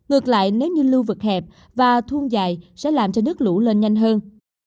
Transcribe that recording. hoặc lại nếu như lưu vực hẹp và thun dài sẽ làm cho nước lũ lên nhanh hơn